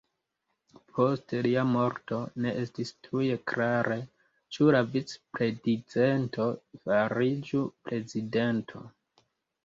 Post lia morto ne estis tuj klare ĉu la vic-predizento fariĝu prezidento.